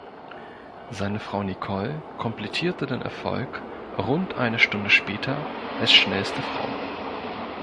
Seine Frau Nicole komplettierte den Erfolg rund eine Stunde später als schnellste Frau.